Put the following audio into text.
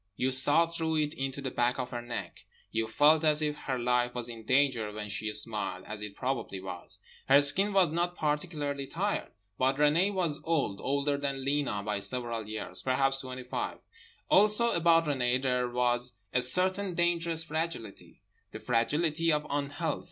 You saw through it into the back of her neck. You felt as if her life was in danger when she smiled, as it probably was. Her skin was not particularly tired. But Renée was old, older than Lena by several years; perhaps twenty five. Also about Renée there was a certain dangerous fragility, the fragility of unhealth.